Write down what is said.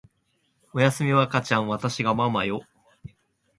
おやすみ赤ちゃんわたしがママよ